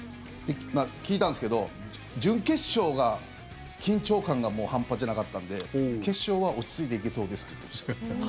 聞いたんですけど準決勝が緊張感が半端じゃなかったんで決勝は落ち着いていけそうですって言ってました。